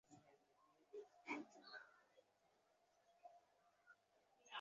ফলে বেশি লাভের আসায় অনেকেই মাছ ধরা বাদ দিয়ে পাখি শিকার করছেন।